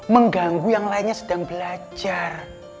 mengganggu yang lainnya sedang belajar